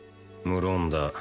無論だ